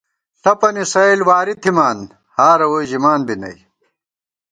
ݪَپَنی سَئیل واری تھِمان ہارہ ووئی ژِمان بی نئ